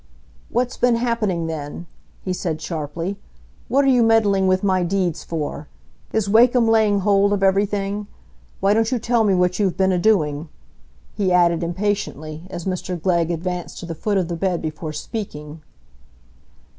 "What's been happening, then?" he said sharply. "What are you meddling with my deeds for? Is Wakem laying hold of everything? Why don't you tell me what you've been a doing?" he added impatiently, as Mr Glegg advanced to the foot of the bed before speaking.